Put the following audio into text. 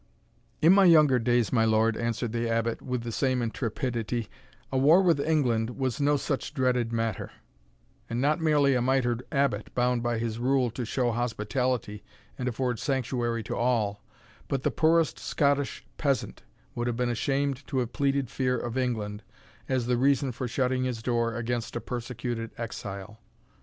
"In my younger days, my lord," answered the Abbot, with the same intrepidity, "a war with England was no such dreaded matter; and not merely a mitred abbot, bound by his rule to show hospitality and afford sanctuary to all, but the poorest Scottish peasant, would have been ashamed to have pleaded fear of England as the reason for shutting his door against a persecuted exile.